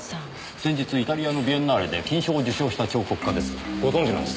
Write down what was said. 先日イタリアのビエンナーレで金賞を受賞した彫刻家です。